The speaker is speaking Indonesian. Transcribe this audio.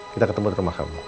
kita ketemu di rumah kamu